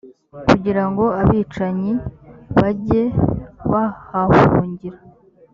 kugira ngo abicanyi bajye bahahungira.